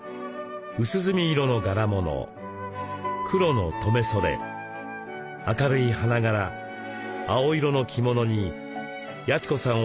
薄墨色の柄物黒の留め袖明るい花柄青色の着物に八千子さん